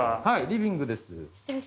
はいリビングです。